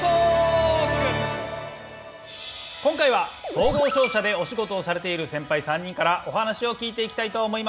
今回は総合商社でお仕事をされているセンパイ３人からお話を聞いていきたいと思います。